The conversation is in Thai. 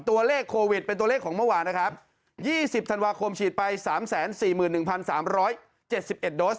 ตัวเลขโควิดเป็นตัวเลขของเมื่อวานนะครับยี่สิบธันวาคมฉีดไปสามแสนสี่หมื่นหนึ่งพันสามร้อยเจ็ดสิบเอ็ดโดส